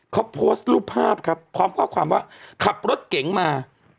เขาโพสต์รูปภาพครับพร้อมข้อความว่าขับรถเก๋งมา